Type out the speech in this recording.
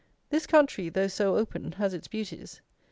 This country, though so open, has its beauties.